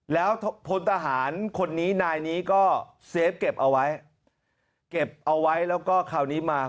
แล้วพลทหารคนนี้นายนี้ก็เซฟเก็บเอาไว้เก็บเอาไว้แล้วก็คราวนี้มา